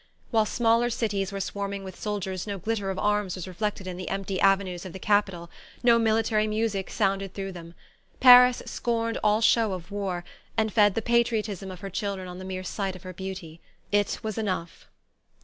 While smaller cities were swarming with soldiers no glitter of arms was reflected in the empty avenues of the capital, no military music sounded through them. Paris scorned all show of war, and fed the patriotism of her children on the mere sight of her beauty. It was enough.